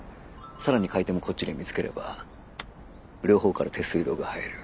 更に買い手もこっちで見つければ両方から手数料が入る。